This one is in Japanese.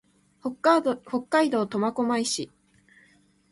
北海道苫小牧市